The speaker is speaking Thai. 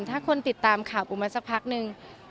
ถ้าคนติดตามข่าวปูมาสักพักนึง